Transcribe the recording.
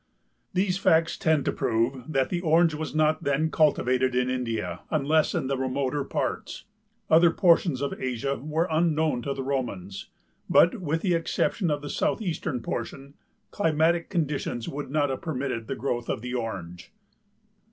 These facts tend to prove that the Orange was not then cultivated in India unless in the remoter parts. Other portions of Asia were unknown to the Romans but, with the exception of the southeastern portion, climatic conditions would not have permitted the growth of the Orange.